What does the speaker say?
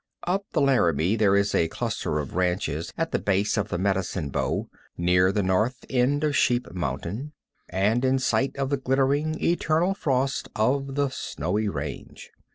Up the Laramie there is a cluster of ranches at the base of the Medicine Bow, near the north end of Sheep Mountain, and in sight of the glittering, eternal frost of the snowy range.